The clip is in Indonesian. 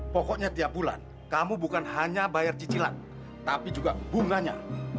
pokoknya tiap bulan kamu bukan hanya bayar cicilan tapi juga bunganya